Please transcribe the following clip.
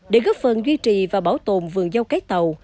để góp phần duy trì và bảo tồn vườn dâu cái tàu